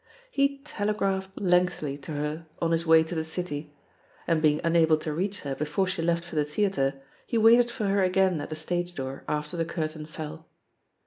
He telegraphed lengthily to her on his way to the City; and being unable to reach her before she left for the theatre, he waited for her again at the stage door after the curtain fell.